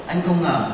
anh không ngờ